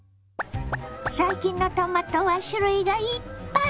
最近のトマトは種類がいっぱい！